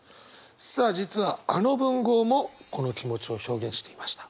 さあ実はあの文豪もこの気持ちを表現していました。